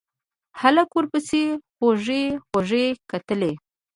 هلک ورپسې خوږې خوږې کتلې.